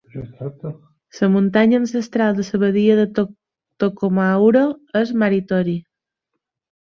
La muntanya ancestral de la badia de Tokomaru és Marotiri.